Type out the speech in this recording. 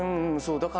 そう。